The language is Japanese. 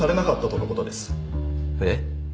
えっ？